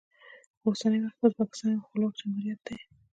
په اوسني وخت کې ازبکستان یو خپلواک جمهوریت دی.